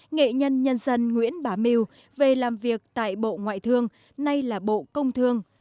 nghệ nhân nhân dân nguyễn bá meu về làm việc tại bộ ngoại thương nay là bộ công thương